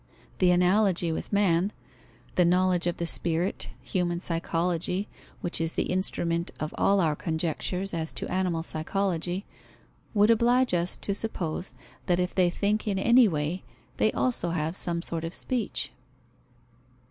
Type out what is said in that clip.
The analogy with man, the knowledge of the spirit, human psychology, which is the instrument of all our conjectures as to animal psychology, would oblige us to suppose that if they think in any way, they also have some sort of speech.